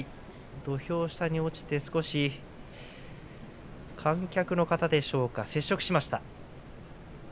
土俵下に落ちて少し、観客の方でしょうか接触しました。